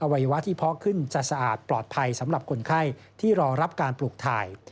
วัยวะที่เพาะขึ้นจะสะอาดปลอดภัยสำหรับคนไข้ที่รอรับการปลูกถ่าย